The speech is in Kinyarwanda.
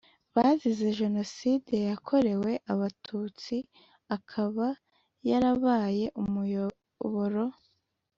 bazize jenoside yakorewe abatutsi akaba yarabaye umuyoboro